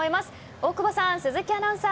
大久保さん、鈴木アナウンサー。